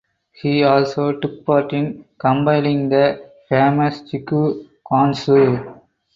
He also took part in compiling the famous "Siku Quanshu".